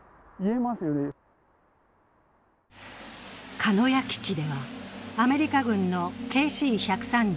鹿屋基地では、アメリカ軍のＫＣ１３０